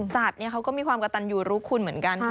สัตว์เขาก็มีความกระตันยูรู้คุณเหมือนกัน